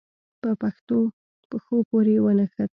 په پښو پورې يې ونښت.